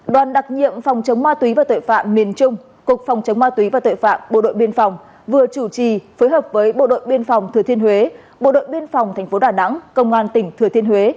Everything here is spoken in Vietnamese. đoàn đặc nhiệm phòng chống ma túy và tội phạm miền trung cục phòng chống ma túy và tội phạm bộ đội biên phòng vừa chủ trì phối hợp với bộ đội biên phòng thừa thiên huế bộ đội biên phòng tp đà nẵng công an tỉnh thừa thiên huế